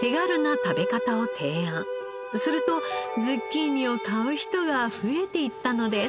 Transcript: するとズッキーニを買う人が増えていったのです。